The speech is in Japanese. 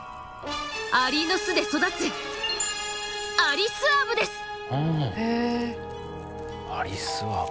アリの巣で育つアリスアブ。